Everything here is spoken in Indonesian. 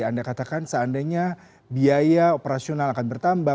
anda katakan seandainya biaya operasional akan bertambah